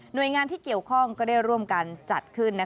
โดยงานที่เกี่ยวข้องก็ได้ร่วมกันจัดขึ้น